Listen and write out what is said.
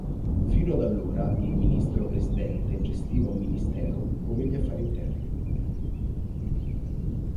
Fino ad allora, il ministro presidente gestiva un ministero, come gli affari interni.